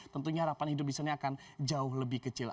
tentunya harapan hidup di sana akan jauh lebih kecil